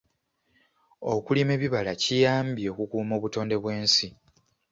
Okulima ebibala kiyambye okukuuma obutonde bw'ensi.